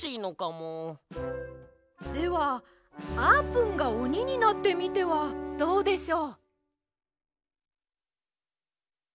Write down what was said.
ではあーぷんがおにになってみてはどうでしょう？